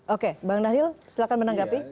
oke bang daniel silahkan menanggapi